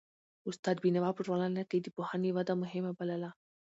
استاد بینوا په ټولنه کي د پوهنې وده مهمه بلله.